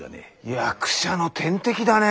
役者の天敵だね。